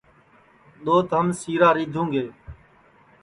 دؔوت ہم سِیرا رِیدھُوں گے